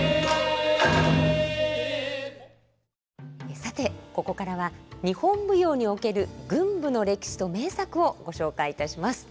さてここからは日本舞踊における群舞の歴史と名作をご紹介いたします。